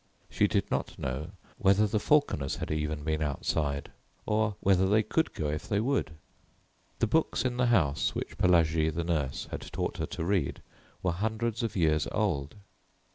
She did not know whether the falconers had even been outside, or whether they could go if they would. The books in the house which Pelagie, the nurse, had taught her to read were hundreds of years old.